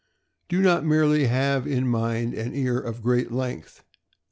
Do not merely have in mind an ear of great length.